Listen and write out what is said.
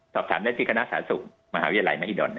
สอบถามได้ที่คณะศาสุภารมณะศาสตร์มหาวิทยาลัยมหิดล